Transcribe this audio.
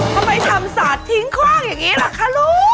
ทำไมทำสาดทิ้งข้องอย่างนี้ล่ะคะลูก